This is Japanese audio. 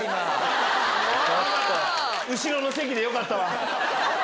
後ろの席でよかったわ。